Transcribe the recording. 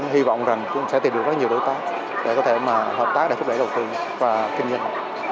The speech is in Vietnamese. hy vọng rằng cũng sẽ tìm được rất nhiều đối tác để có thể mà hợp tác để thúc đẩy đầu tư và kinh doanh